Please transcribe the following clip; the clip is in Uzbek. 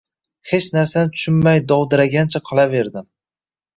Hech narsani tushunmay, dovdiragancha qolaverdim